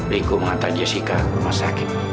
riku mengantar jessica ke rumah sakit